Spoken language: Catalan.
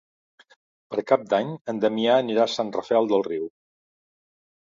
Per Cap d'Any en Damià anirà a Sant Rafel del Riu.